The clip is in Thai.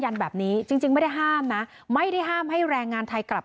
แบบนี้จริงไม่ได้ห้ามนะไม่ได้ห้ามให้แรงงานไทยกลับ